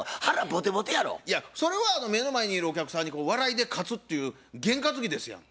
いやそれは目の前にいるお客さんに笑いで「勝つ」っていう験担ぎですやんか。